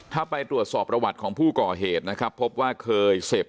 ถ้าไปตรวจสอบประวัติของผู้ก่อเหตุนะครับพบว่าเคยเสพ